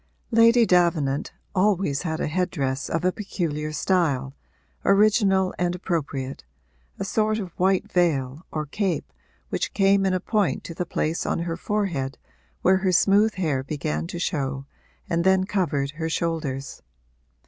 Lady Davenant always had a head dress of a peculiar style, original and appropriate a sort of white veil or cape which came in a point to the place on her forehead where her smooth hair began to show and then covered her shoulders.